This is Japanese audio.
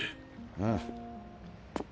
ああ。